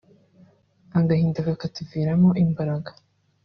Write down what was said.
Agahinda kakatuviramo imbaraga